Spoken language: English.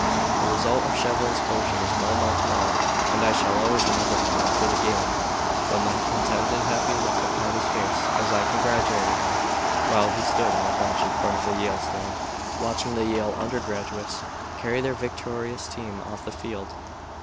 The result of Shevlin's coaching is well known to all, and I shall always remember him after the game with that contented happy look upon his face as I congratulated him while he stood on a bench in front of the Yale stand, watching the Yale undergraduates carry their victorious team off the field.